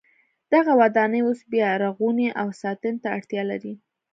دغه ودانۍ اوس بیا رغونې او ساتنې ته اړتیا لري.